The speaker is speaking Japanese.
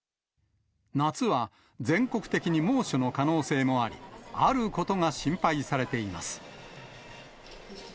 夏は、全国的に猛暑の可能性もあり、あることが心配されています。